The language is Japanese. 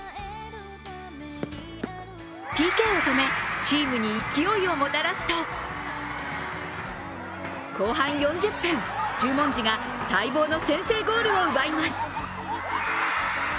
ＰＫを止めチームに勢いをもたらすと後半４０分、十文字が待望の先制ゴールを奪います。